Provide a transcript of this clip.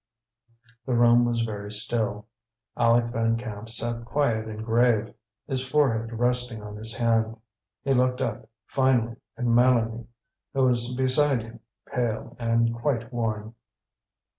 The room was very still. Aleck Van Camp sat quiet and grave, his forehead resting on his hand. He looked up, finally, at Mélanie, who was beside him, pale and quite worn.